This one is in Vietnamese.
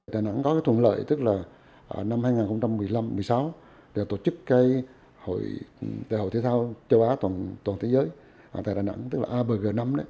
đà nẵng có thuận lợi tức là năm hai nghìn một mươi năm hai nghìn một mươi sáu tổ chức hội thế giao châu á tổng thế giới tại đà nẵng tức là abg năm